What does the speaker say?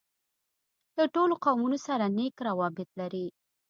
له ټولو قومونوسره نېک راوبط لري.